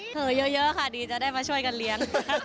เธอเยอะค่ะดีจะได้มาช่วยกันเลี้ยง